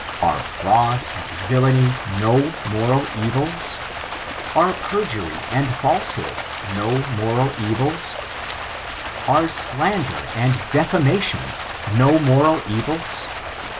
Are fraud and villainy no moral evils % Are peijury and falsehood no moral evils } Are slander and de&mation no moral evils